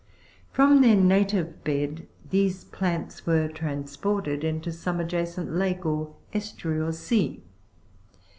From their native bed, these plants were transported into some adjacent lake, or estuary, or sea.